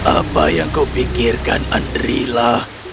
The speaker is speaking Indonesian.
apa yang kau pikirkan andrila